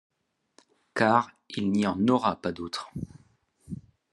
Car il n'y en aura pas d'autres.